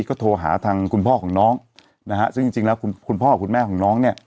ก็โทรหาทางคุณพ่อของน้องนะฮะซึ่งจริงแล้วคุณพ่อกับคุณแม่ของน้องเนี่ย